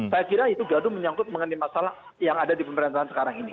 saya kira itu gaduh menyangkut mengenai masalah yang ada di pemerintahan sekarang ini